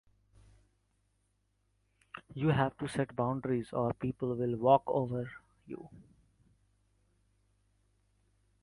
You have to set boundaries or people will walk all over you.